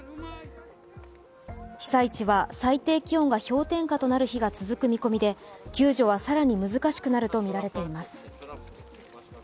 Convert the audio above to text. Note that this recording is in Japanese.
被災地は最低気温が氷点下となる日が続く見込みで救助は更に難しくなるとみられています。